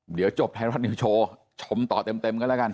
เดี๋ยวจบไทยรัฐนิวโชว์ชมต่อเต็มกันแล้วกัน